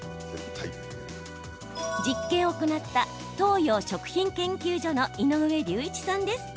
実験を行った東洋食品研究所の井上竜一さんです。